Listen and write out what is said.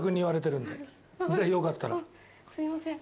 いえすいません。